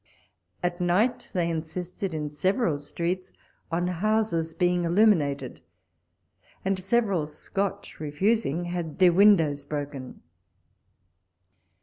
At night they insisted, in several streets, on houses being illuminated, and several Scotch refusing, had their windows broken.